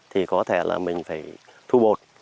thì có thể là mình phải thu bột